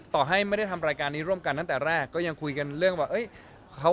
ต่อให้ไม่ได้ทำรายการนี้ร่วมกันตั้งแต่แรกก็ยังคุยกันเรื่องว่า